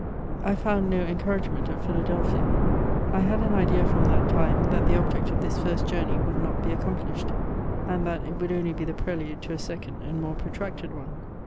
I found no encouragement at Philadelphia. I had an idea finom ^at time, that the object of this first journey would not be ac complished, and that it would only be the prelude to a second and more protracted one.